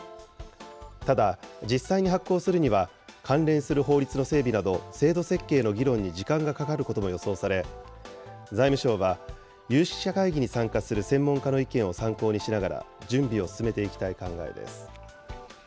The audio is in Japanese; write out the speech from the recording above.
ただ、実際に発行するには、関連する法律の整備など、制度設計の議論に時間がかかることも予想され、財務省は、有識者会議に参加する専門家の意見を参考にしながら、準備を進めていきたい考えです。